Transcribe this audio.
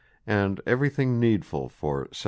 "and everything needfull for £7.